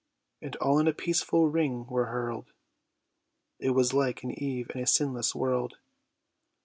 And all in a peaceful ring were hurl'd; It was like an eve in a sinless world!